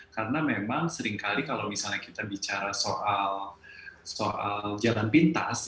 karena memang seringkali kalau misalnya kita bicara soal jalan pintas